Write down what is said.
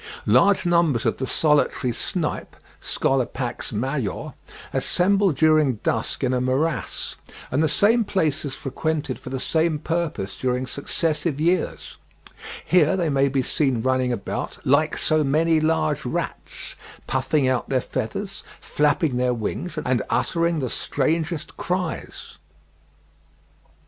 Large numbers of the Solitary snipe (Scolopax major) assemble during dusk in a morass; and the same place is frequented for the same purpose during successive years; here they may be seen running about "like so many large rats," puffing out their feathers, flapping their wings, and uttering the strangest cries.